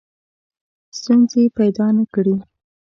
ستونزې پیدا نه کړي.